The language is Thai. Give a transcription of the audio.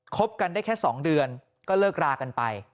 บกันได้แค่๒เดือนก็เลิกรากันไป